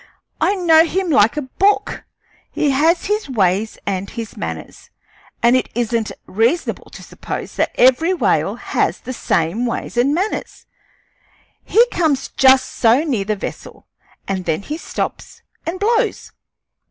I know him like a book; he has his ways and his manners, and it isn't reasonable to suppose that every whale has the same ways and manners. He comes just so near the vessel, and then he stops and blows.